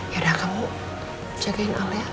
yaudah kamu jagain allah ya